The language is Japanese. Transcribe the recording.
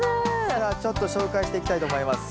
さあちょっと紹介していきたいと思います。